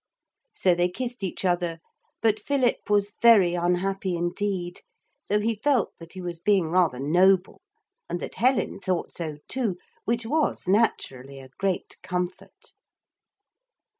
So they kissed each other. But Philip was very unhappy indeed, though he felt that he was being rather noble and that Helen thought so too, which was naturally a great comfort.